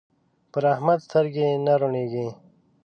پر احمد سترګې نه روڼېږي.